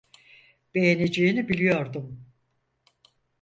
Beğeneceğini biliyordum.